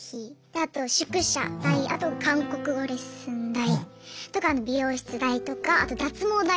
あと宿舎代あと韓国語レッスン代とか美容室代とかあと脱毛代もあって。